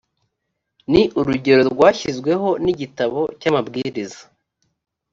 ni urugero rwashyizweho n’igitabo cy’amabwiriza